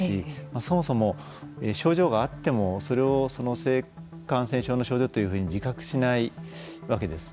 そもそも、症状があってもそれを性感染症の症状というふうに自覚しないわけです。